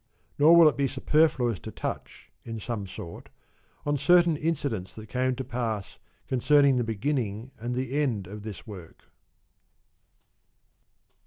Nor will it be superfluous to touch, in some sort, on certain incidents that came to pass concerning the beginning and the end of this work.